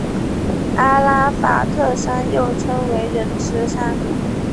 阿拉法特山又称为仁慈山。